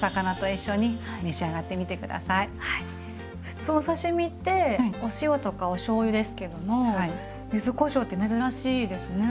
普通お刺身ってお塩とかおしょうゆですけども柚子こしょうって珍しいですね。